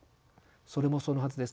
それもそのはずです。